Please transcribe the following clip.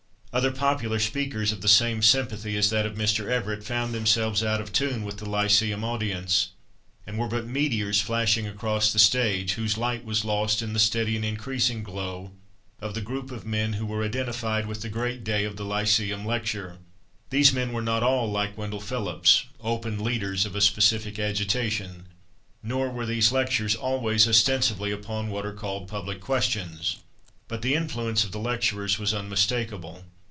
Other popular speakers of the same sympathy as that of Mr. Everett found themselves out of tune with the lyceum audience, and were but meteors flashing across the stage, whose light was lost in the steady and increasing glow of the group of men who were identified with the great day of the lyceum lecture. These men were not all like Wendell Phillips, open leaders of a specific agitation, nor were these lectures always ostensibly upon what are called public questions. But the influence of the lecturers was unmistakable.